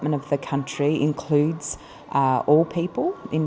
và những người đàn ông